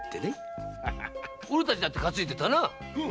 俺たちだって担いでたなあ